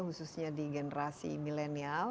apakah minatnya di generasi milenial